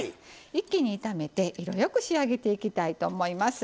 一気に炒めて色よく仕上げていきたいと思います。